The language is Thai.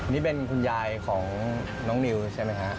นี่เป็นคุณยายของน้องนิวใช่ไหมฮะ